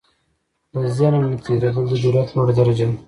له ظلم نه تېرېدل، د جرئت لوړه درجه ده.